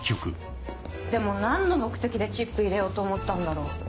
でも何の目的でチップ入れようと思ったんだろう。